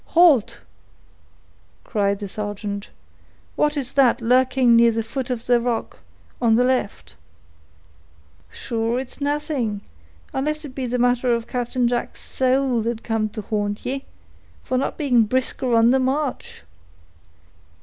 "Halt!" cried the sergeant. "What is that lurking near the foot of the rock, on the left?" "Sure, it's nothing, unless it be a matter of Captain Jack's sowl that's come to haunt ye, for not being brisker on the march."